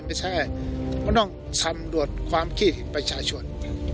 ไม่ใช่ว่าต้องสำรวจความคิดของราชชน